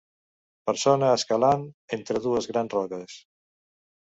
Persona escalant entre dues grans roques.